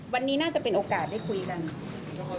วันนี้น่าจะเป็นโอกาสได้คุยกัน